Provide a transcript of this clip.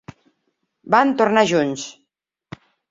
Van tornar junts.